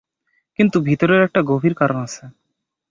কিন্তু ভিতরের একটা গভীর কারণ আছে।